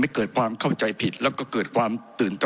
ผมจะขออนุญาตให้ท่านอาจารย์วิทยุซึ่งรู้เรื่องกฎหมายดีเป็นผู้ชี้แจงนะครับ